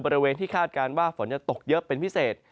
บริเวณที่คาดการณ์ว่าฝนจะตกเยอะเป็นพิเศษ